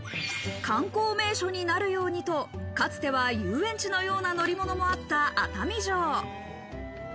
観光名所になるようにと、かつては遊園地のような乗り物もあった熱海城。